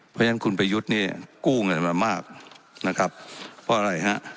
เพราะฉะนั้นคุณประยุทธ์เนี่ยกู้เงินมามากนะครับเพราะอะไรฮะ